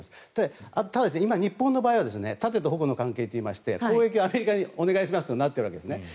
ただ今、日本の場合は盾と矛の関係といいまして攻撃、アメリカにお願いしますとなっているわけですね。